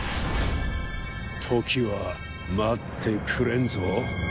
時は待ってくれんぞ。